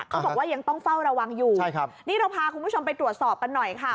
เขาบอกว่ายังต้องเฝ้าระวังอยู่ใช่ครับนี่เราพาคุณผู้ชมไปตรวจสอบกันหน่อยค่ะ